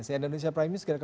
saya ando indonesia prime news